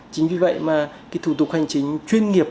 chính vì vậy mà cái thủ tục hành chính chuyên nghiệp